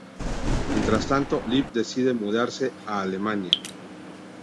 Mientras tanto Liv decide mudarse a Alemania.